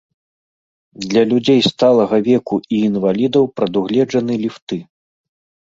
Для людзей сталага веку і інвалідаў прадугледжаны ліфты.